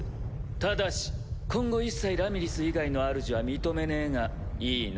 ただし今後一切ラミリス以外のあるじは認めねえがいいな？